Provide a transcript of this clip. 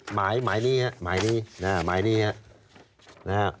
หมายนี้นะครับ